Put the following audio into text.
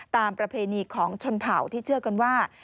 ประเพณีของชนเผ่าที่เชื่อกันว่า